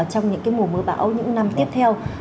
trong những mùa mưa bão những năm tiếp theo